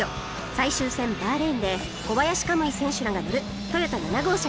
最終戦バーレーンで小林可夢偉選手らが乗るトヨタ７号車が優勝